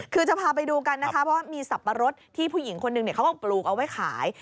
คือจะพาไปดูกันนะคะเพราะว่ามีสับปะรดที่ผู้หญิงคนหนึ่งเขาก็ปลูกเอาไว้ขาย